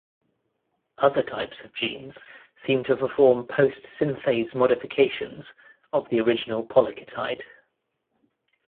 Other types of genes seem to perform post-synthase modifications of the original polyketide.